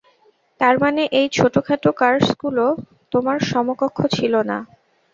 তারমানে এই ছোটখাটো কার্সগুলো তোমার সমকক্ষ ছিলো না।